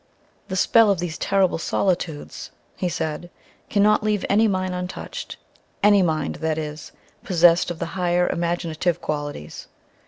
"The spell of these terrible solitudes," he said, "cannot leave any mind untouched, any mind, that is, possessed of the higher imaginative qualities.